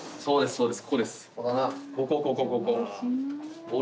そうです。